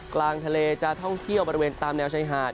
กลางทะเลจะท่องเที่ยวบริเวณตามแนวชายหาด